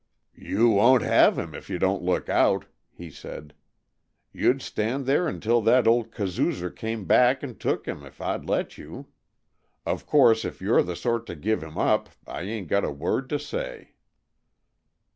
"You won't have him if you don't look out," he said. "You'd stand there until that old kazoozer come back and took him, if I'd let you. Of course, if you 're the sort to give him up, I ain't got a word to say."